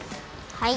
はい。